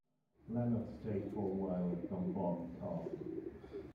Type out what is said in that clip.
Lennox stayed for a while at Dumbarton Castle.